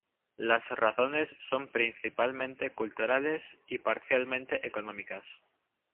Las razones son principalmente culturales y parcialmente económicas.